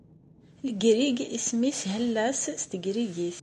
Legrig isem-nnes Hellas s tegrigit.